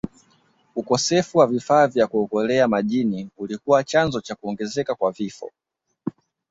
Ukosefu wa vifaa vya kuokolea majini ulikuwa ni chanzo cha kuongezeka kwa vifo